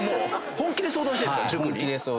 本気で相談してんですか⁉本気で。